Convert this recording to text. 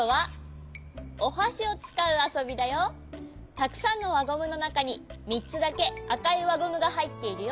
たくさんのわゴムのなかに３つだけあかいわゴムがはいっているよ。